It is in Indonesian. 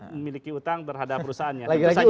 memiliki utang terhadap perusahaannya lagi lagi